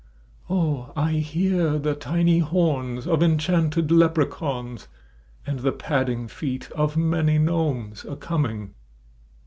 O ! I hear the tiny horns Of enchanted leprechauns And the padding feet of many gnomes a coming